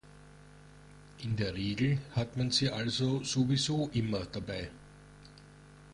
In der Regel hat man sie also sowieso immer dabei.